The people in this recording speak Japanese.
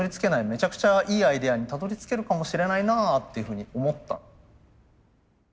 めちゃくちゃいいアイデアにたどりつけるかもしれないなっていうふうに思った。